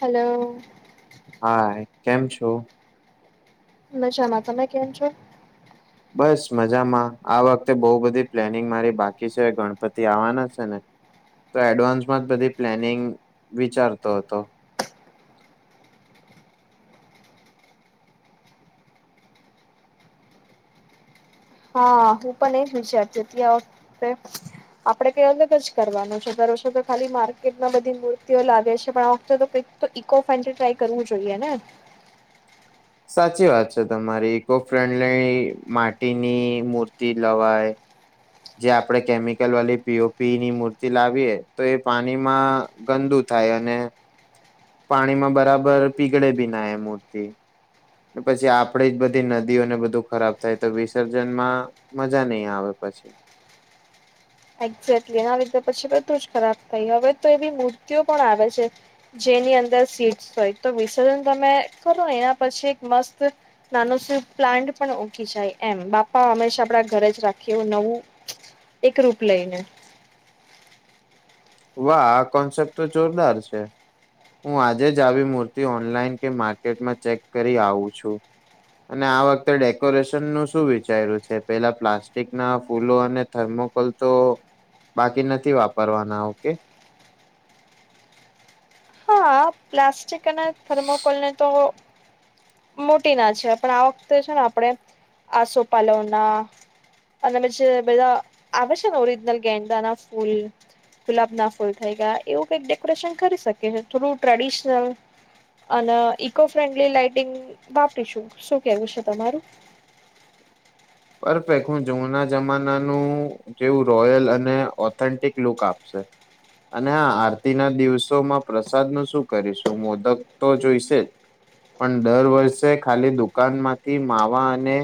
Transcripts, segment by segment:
Hello હા કેમ છો. મજામાં તમે કેમ છો. બસ મજામાં આ વખતે બહુ બધી પ્લેનિંગ મારી બાકી છે ગણપતિ આવવાના છે ને. તો એડવાન્સમાં જ બધી પ્લેનિંગ વિચારતો હતો. હા હું પણ એ જ વિચારતો ત્યા વખતે આપડે કઈ વગત જ કરવાનું છે દર છો તો ખાલી માર્કેટમાં બધી મૂર્તિઓ લાવે છે પણ આ વખતે તો કઈક તો ઈકો ફડથી ટ્રાય કરવું જોઈએ ને. સાચી વાત છે તમારી ઇકો ફ્રેન્ડલી માટીની મૂર્તિ લવાય જે આપણેે કેમિકલ વાળી પીઓપીની મૂર્તિ લાવીએ તો એ પાણીમાં ગંદુ થાય અને હ પાણીમાં બરાબર પીગળે ભી ના એ મૂર્તિ પછી આપડી જ બધી નદીઓને બધું ખરાબ થાય તો વિસર્જનમાં મજા નહી આવે પછી. એક્ઝેક્ટલી એના વિીધા પછી બધું જ ખરાબ થય હવે તો એવી મૂર્તિઓ પણ આવે છે. જેની અંદર સી હોય તો વિસર્જન તમે કરો એના પછી એક મસ્ત નાનું શ પ્લાન્ટ પણ ઓકીી જાય એમ બાપા હંમેશા આપડા ઘરે જ રાખીએ એવું નવું. એક રૂપ લઈને વાહ આ કોન્સેપ્ટ તો જોરદાર છે. હું આજે જ આવી મૂર્તિ ઓનલાઈન કે માર્કેટમાં ચેક કરી આવું છું. અને આ વખતે ડેકોરેશન નું શું વિચાર્યું છે પેલા પ્લાસ્ટિક ના ફૂલો અને થર્મોકોલ તો બાકી નથી વાપરવાના. ઓ કે હા પ્લાસ્ટિક થર્મકોલને તો મોટી ના છે પણ આ વખતે છે ને આપણે આસો પાાલવના અને પછી બધા આવે છે ને ઓરિજનલ ગેડાા ના ફૂલ ગુલાબ ના ફૂલ થઈ ગયા એવું કઈક ડેકોરેશન કરી શકી થોડું ટ્રેડિશનલ અને ઇકો ફ્રેન્ડલી લઇટિંગ વાપરીશું શું કેવું છે તમારું. બફેક હું જૂના જમાનાનું જેવું રોયલ અને ઓથેન્ટિક લુક આપશે. અને હા આરતી ના દિવસોમાં પ્રસાદ નું શું કરીશું મોદક તો જોઈશે જ. પણ દર વર્ષે ખાલી દુકાન માંથી માવા અને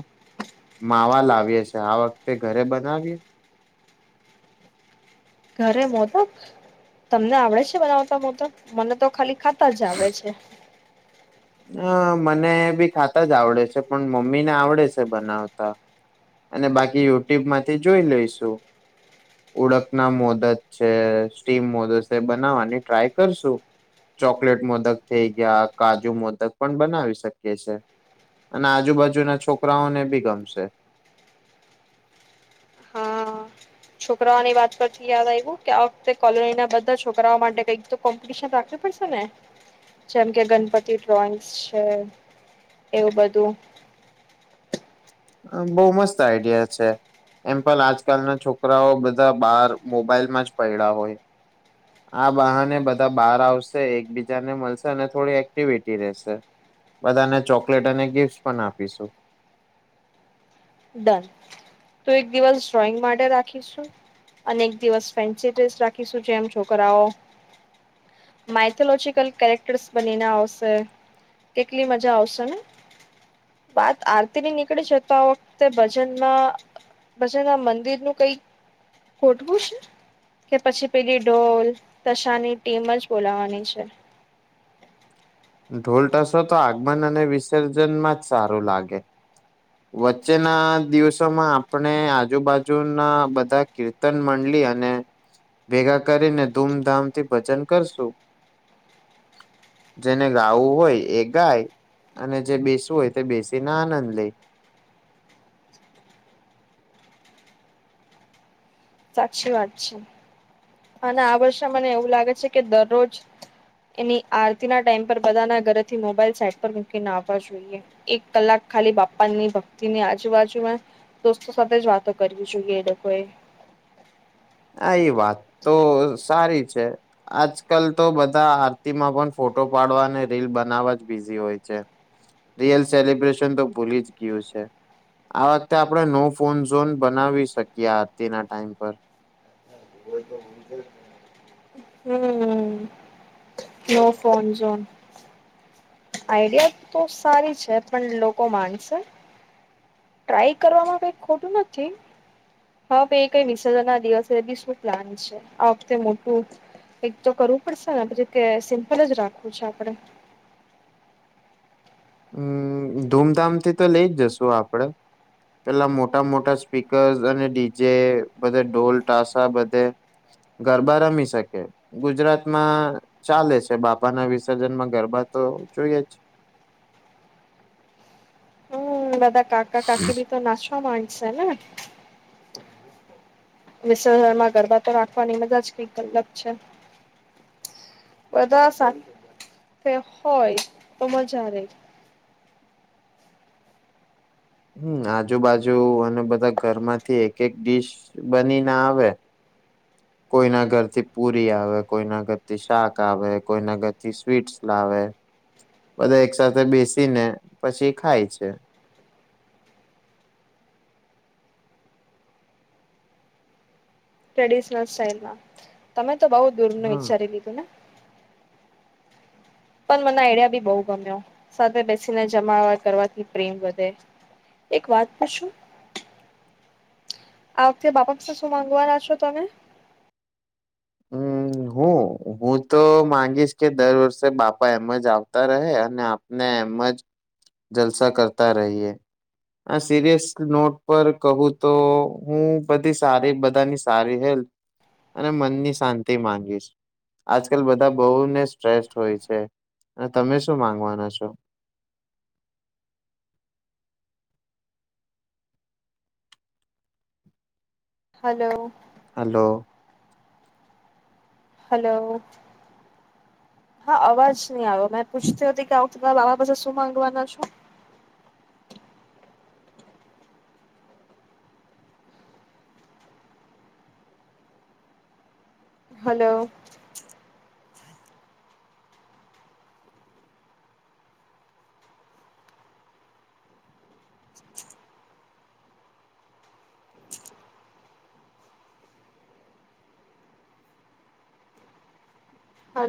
માવા લાવીએ છીએ આ વખતે ઘરે બનાવીએ. ઘરે મોધક તમને આવડે છે બનાવતા મોદક મને તો ખાલી ખાતા જ આવે છે. અ મને બી ખાતા જ આવડે છે પણ મમ્મી ને આવડે છે બનાવતા. અને બાકી યુટ્યુબ માંથી જોઈ લઈશું. ઉળક ના મોદત છે સ્ટીમ મોદત છે બનાવવાની ટ્રાય કરશું. ચોકલેટ મોદક થઈ ગયા કાજુ મોદક પણ બનાવી શકીએ છે અને આજુબાજુ ના છોકરાઓને બી ગમશે. હા. છોકરાઓની વાત પરથી યાદ આવ્યું કે આ વખતે કોલોની ના બધા છોકરાઓ માટે કઈક તો કોમ્પિટિશન રાખવી પડશે ને જેમ કે ગણપતિ ડ્રોઈંગ્સ છે એવું બધું. આ બો મસ્ત આઈડિયા છે. એમ પણ આજકાલના છોકરાઓ બધા બહાર મોબાઈલમાં જ પઇડા હોય. [inaudible] આ બહાને બધા બહાર આવશે, એકબીજાને મળશે અને થોડી એક્ટિવિટી રહેશે. બધાને ચોકલેટો અને ગિફ્ટ પણ આપીશું. ડન તો એક દિવસ ડ્રોઈંગ માટે રાખીશું અને એક દિવસ ફેન્સી ડ્રેસ રાખીશું જેમ છોકરાઓ માઇથોલોજીકલ કેરેક્ટર્સ બનીને આવશે. કેટલી મજા આવશે ને વાત આરતી નીકળી શકતા હો તે ભજનમાં ભજનમાં મંદિર નું કઈક ગોઠવું છે. કે પછી પેલી ઢોલ તશાની ટીમ જ બોલાવાની છે. ઢોલ ટસો તો આગમન અને વિસર્જનમાં જ સારું લાગે. વચ્ચેના દિવસોમાં આપણે આજુબાજુના બધા કીર્તન મંડલી અને ભેગા કરીને ધૂમધામ થી ભજન કરશું. જેને ગાવું હોય એ ગાય અને જે બેસવું હોય તે બેસીને આનંદ લે. સાચી વાત છે અને આ વર્ષે મને એવું લાગે છે કે દરરોજ એની આરતી ના ટાઈમ પર બધા ના ઘરેથી મોબાઈલ સાઇટ પર મૂકીને આવા જોય જોઈએ. એક કલાક ખાલી બાપા ની ભક્તિની આજુબાજુમાં દોસ્તો સાથે જ વાતો કરવી જોઈએ એ લોકોએ. હા એ વાત તો સારી છે. આજકાલ તો બધા આરતીમાં પણ ફોટો પાડવા અને રીલ બનાવવા જ બીઝી હોય છે. રિયલ સેલિબ્રેશન તો ભૂલી જ ગીયું છે. આ વખતે આપણે નો ફોન ઝોન બનાવી શકીએ આરતીના ટાઈમ પર. હોય તો બનશે જ ને હમમ. નો ફોનઝોન. આઈડિયા તો સારી છે પણ લોકો માનશે. ટ્રાય કરવામાં કઈ ખોટું નથી. હા એ કઈ વિસર્જન ના દિવસે બી શું પ્લાન છે આ વખતે મોટું કઈક તો કરવું પડશે ને પછી કે સિમ્પલ જ રાખવું છે આપડે. હમમ ધૂમધામ થી તો લઈ જ જશુ આપડે. પેલા મોટા, મોટા સ્પીકર્સ અને ડીજે બધે ઢોલ ટાસા બધે ગરબા રમી શકે. ગુજરાતમાં ચાલે છે બાપા ના વિસર્જન માં ગરબા તો જોઈએ જ. હમમ બધા કાકા, કાકી ભી તો નાચવા ના હોય છે ને. વિસર્જન માં ગરબા તો રાખવાની મજા જ કઈક અલગ છે. બધા સાથે હોય તો મજા રે. હમમ આજુબાજુ અને બધા ઘરમાંથી એક, એક ડીશ બની ને આવે. કોઈના ઘરથી પુરી આવે, કોઈના ઘરથી શાક આવે, કોઈના ઘરથી સ્વીટ્સ લાવે. બધા એક સાથે બેસીને પછી ખાય છે. ટ્રેડિશનલ સ્ટાઈલમાં તમે તો બઉ દૂર નું હા વિચારી લીધું ને. પણ મને આઈડિયા બી બો ગમ્યો સાથે બેસીને જમા કરવાથી પ્રેમ વધે. એક વાત પૂછું આ વખતે બાપા પાસે શું માગવાના છો તમે? [inaudible] હમ હું હું તો માંગીશ કે દર વર્ષે બાપા એમ જ આવતા રહે અને ને એમ જ જલસા કરતા રહીએ. આ સિરિયસ નોટ પર કહું તો હું બધી સારી બધાની સારી હેલ્થ અને મનની શાંતિ માંગીશ. આજકાલ બધા બહુને સ્ટ્રેસ્ટ હોય છે અને તમે શું માંગવાના છો. હલો. હલો. હલો. હા અવાજ નહી આવ્યો મે પૂછતી હતી કેું આવતી કાલે આવા પછે શું માંગવાના છો. હલો.